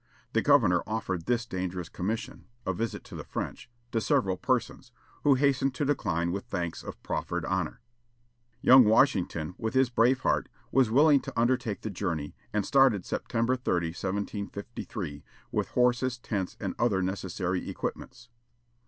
The governor offered this dangerous commission a visit to the French to several persons, who hastened to decline with thanks the proffered honor. Young Washington, with his brave heart, was willing to undertake the journey, and started September 30, 1753, with horses, tents, and other necessary equipments.